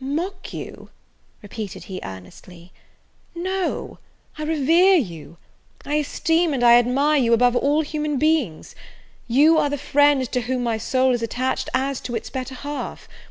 "Mock you!" repeated he earnestly, "no I revere you! I esteem and I admire you above all human beings! you are the friend to whom my soul is attached as to its better half!